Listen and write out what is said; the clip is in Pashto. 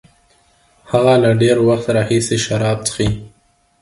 هغه له ډیر وخت راهیسې شراب څښي.